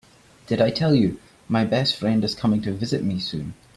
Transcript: Did I tell you my best friend is coming to visit me soon?